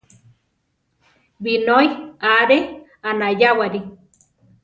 Binói aáre anayáwari.